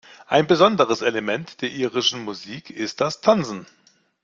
Ein besonderes Element der irischen Musik ist das Tanzen.